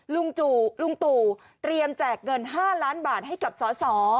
ลุงตู่เตรียมแจกเงิน๕ล้านบาทให้กับสส